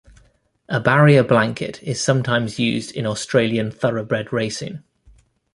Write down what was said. A "barrier blanket" is sometimes used in Australian Thoroughbred racing.